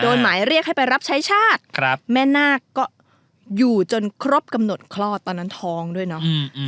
หมายเรียกให้ไปรับใช้ชาติแม่นาคก็อยู่จนครบกำหนดคลอดตอนนั้นท้องด้วยเนาะ